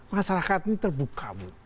masyarakat ini terbuka bu